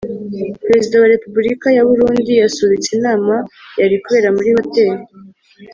Perezida w’ arepubulike ya Burundi yasubitse inama yari kubera muri hoteli